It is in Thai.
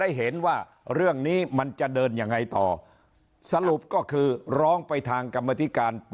ได้คุยกับพี่เศรษฐ์พิสุทธิ์ว่าหลังจากนั้นเนี่ยขอให้พี่เศรษฐ์พิสุทธิ์สรุปรายงานกรรมดิงานปปช